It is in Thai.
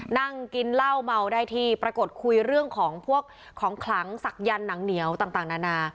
นั่งกินเหล้าเมาได้ที่ปรากฏคุยเรื่องของพวกของขลังศักยันต์หนังเหนียวต่างนานา